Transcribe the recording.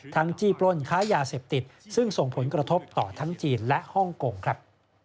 จี้ปล้นค้ายาเสพติดซึ่งส่งผลกระทบต่อทั้งจีนและฮ่องกงครับ